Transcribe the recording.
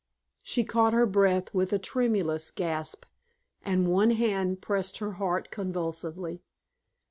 She caught her breath with a tremulous gasp, and one hand pressed her heart convulsively.